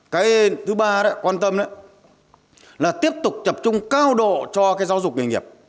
cái thứ ba là quan tâm là tiếp tục chập trung cao độ cho giáo dục nghề nghiệp